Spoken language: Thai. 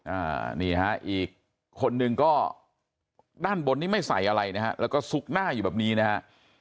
อ่านี่ฮะอีกคนนึงก็ด้านบนนี้ไม่ใส่อะไรนะฮะแล้วก็ซุกหน้าอยู่แบบนี้นะฮะ